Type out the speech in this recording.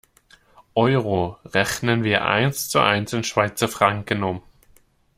Euro rechnen wir eins zu eins in Schweizer Franken um.